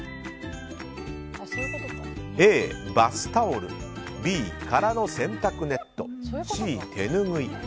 Ａ、バスタオルＢ、空の洗濯ネットＣ、手ぬぐい。